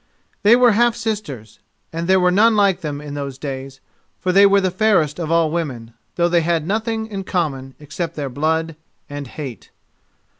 They were half sisters, and there were none like them in those days, for they were the fairest of all women, though they had nothing in common except their blood and hate.